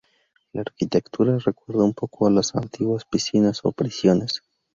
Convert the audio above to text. La arquitectura recuerda un poco a la de las antiguas piscinas o prisiones.